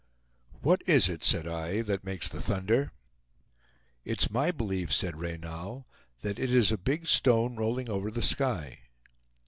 "What is it," said I, "that makes the thunder?" "It's my belief," said Reynal, "that it is a big stone rolling over the sky."